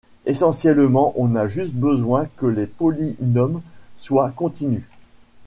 Essentiellement, on a juste besoin que les polynômes soient continus.